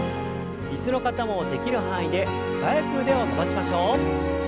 椅子の方もできる範囲で素早く腕を伸ばしましょう。